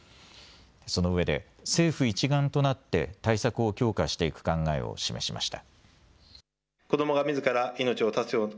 そのうえで政府一丸となって対策を強化していく考えを示しました。